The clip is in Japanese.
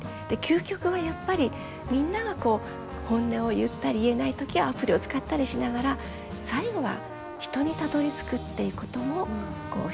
究極はやっぱりみんなが本音を言ったり言えない時はアプリを使ったりしながら最後は人にたどり着くっていうことも示していただけたかな。